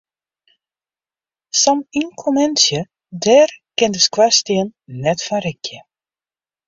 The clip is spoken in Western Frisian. Sa'n ynkommentsje, dêr kin de skoarstien net fan rikje.